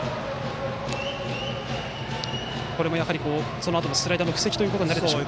これもそのあとのスライダーの布石ということになるんですか。